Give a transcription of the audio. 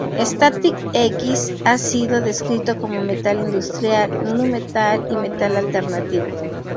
Static-X ha sido descrito como metal industrial, nu metal, y metal alternativo.